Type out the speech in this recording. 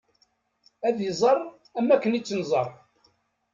Ad iẓer am akken i tt-nẓer.